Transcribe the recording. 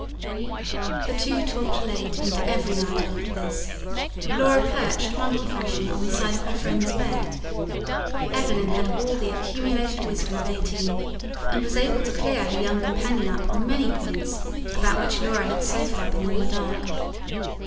The two talked late into every night after this, Laura perched, monkey fashion, on the side of her friend's bed. Evelyn had all the accumulated wisdom of eighteen, and was able to clear her young companion up on many points about which Laura had so far been in the dark.